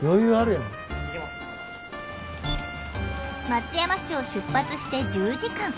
松山市を出発して１０時間。